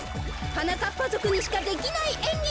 はなかっぱぞくにしかできないえんぎ。